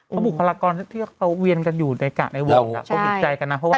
เพราะบุคลากรที่เขาเวียนกันอยู่ในกะในวงเขาผิดใจกันนะเพราะว่า